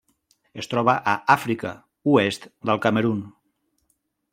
Es troba a Àfrica: oest del Camerun.